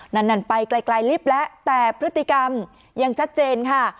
นั่นไปไกลลิฟต์แล้วแต่พฤติกรรมยังชัดเจนค่ะ